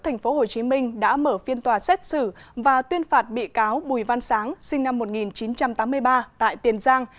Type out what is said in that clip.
hồ chí minh đã mở phiên tòa xét xử và tuyên phạt bị cáo bùi văn sáng sinh năm một nghìn chín trăm tám mươi ba tại tiền giang